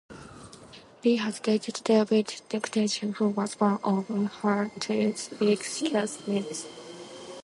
Lee has dated David Duchovny, who was one of her "Twin Peaks" cast-mates.